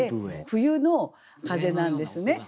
冬の風なんですね。